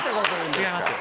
違いますよ。